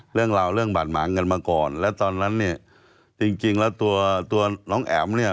เรื่องราวเรื่องบาดหมางกันมาก่อนแล้วตอนนั้นเนี่ยจริงจริงแล้วตัวตัวน้องแอ๋มเนี่ย